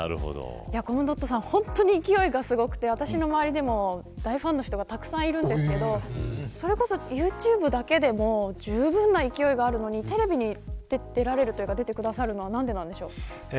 コムドットさん、本当に勢いがすごくて私の周りでも大ファンの人がたくさんいるんですがユーチューブだけでもじゅうぶんな勢いがあるのにテレビに出られるというか出てくださるのは何でですか。